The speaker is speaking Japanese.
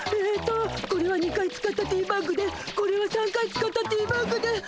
えっとこれは２回使ったティーバッグでこれは３回使ったティーバッグで。